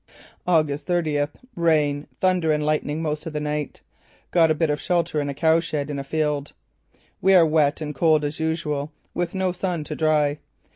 "August thirtieth: Rain, thunder and lightning most of last night. Got a bit of shelter in a cowshed in a field. We are wet and cold as usual, with no sun to dry.